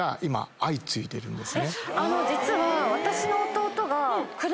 実は。